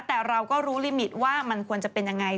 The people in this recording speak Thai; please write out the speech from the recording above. แต่เราก็รู้ลิมิตว่ามันควรจะเป็นยังไง